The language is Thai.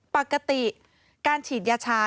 ปกติการฉีดยาชา